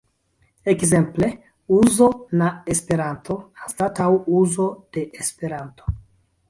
Ekzemple, "uzo" na Esperanto" anstataŭ "uzo de Esperanto".